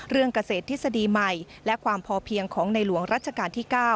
เกษตรทฤษฎีใหม่และความพอเพียงของในหลวงรัชกาลที่๙